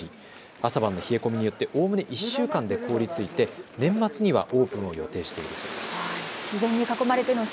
朝晩の冷え込みによっておおむね１時間で凍りついて年末にはオープンを予定しています。